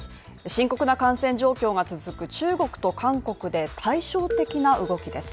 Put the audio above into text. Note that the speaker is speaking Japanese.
深刻な感染状況が続く中国と韓国で対照的な動きです